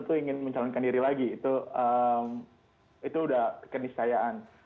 tentu ingin mencalonkan diri lagi itu sudah kenisayaan